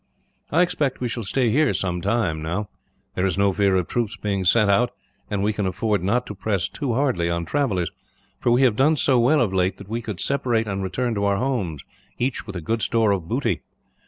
I expect we shall stay here some time, now. There is no fear of troops being sent out, and we can afford not to press too hardly on travellers; for we have done so well, of late, that we could separate and return to our homes, each with a good store of booty.